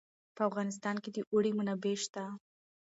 په افغانستان کې د اوړي منابع شته.